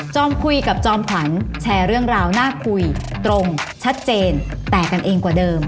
คุยกับจอมขวัญแชร์เรื่องราวน่าคุยตรงชัดเจนแตกกันเองกว่าเดิม